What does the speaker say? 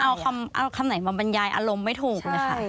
เอาคำไหนมาบรรยายอารมณ์ไม่ถูก